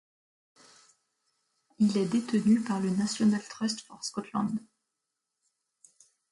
Il est détenu par le National Trust for Scotland.